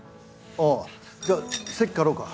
あっじゃあ席代わろうか？